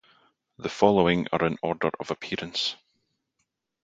The following are in order of appearance.